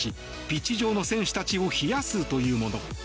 ピッチ上の選手たちを冷やすというもの。